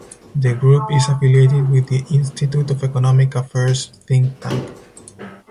The group is affiliated with the Institute of Economic Affairs think tank.